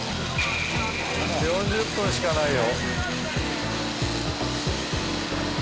４０分しかないよ。